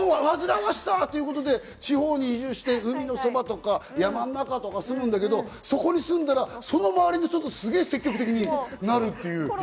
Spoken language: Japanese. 人の煩わしさってことで地方に移住して、海のそばとか山の中とかに住むんだけど、そこに住んだら、その周りの人とすげえ積極的になるっていう。